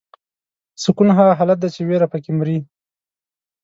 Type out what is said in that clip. سکون هغه حالت دی چې ویره پکې مري.